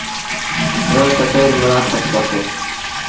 روز سسئيٚ ريٚ ملآڪآت ڪرتو۔